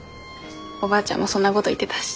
おばあちゃんもそんなごど言ってたし。